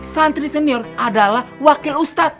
santri senior adalah wakil ustadz